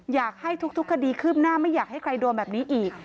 อยากให้ทุกคดีคืบหน้าไม่อยากให้ใครโดนแบบนี้อีก